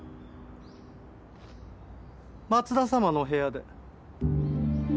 松田様のお部屋で。